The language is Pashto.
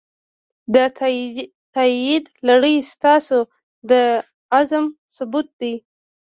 د تایید لړۍ ستاسو د عزم ثبوت دی.